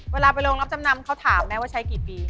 เวลาไปโรงรับจำนำเขาถามไหมว่าใช้กี่ปี